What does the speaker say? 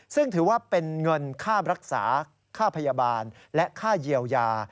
ซึ่งถือว่าเป็นเงินค่ารักษาค่าพยาบาลและค่าเยียวยา